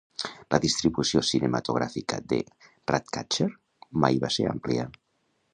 La distribució cinematogràfica de "Ratcatcher" mai va ser àmplia.